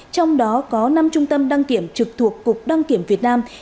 trong đó có năm trung tâm đăng kiểm trực thuộc cục đăng kiểm việt nam